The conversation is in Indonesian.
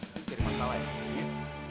cari masalah ya